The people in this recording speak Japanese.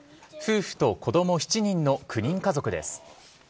夫婦と子ども７人の９人家族です。